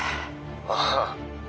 「ああ」